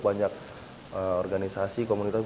banyak organisasi komunitas